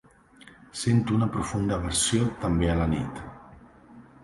Sent una profunda aversió, també a la nit.